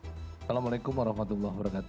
assalamualaikum wr wb